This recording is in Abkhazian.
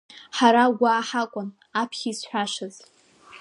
Ҳара Агәаа ҳакәын аԥхьа изҳәашаз…